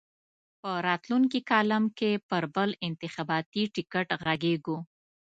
په راتلونکي کالم کې پر بل انتخاباتي ټکټ غږېږو.